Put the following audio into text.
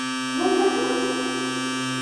Tɣunfaḍ-tent?